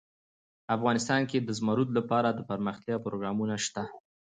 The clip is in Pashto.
افغانستان کې د زمرد لپاره دپرمختیا پروګرامونه شته.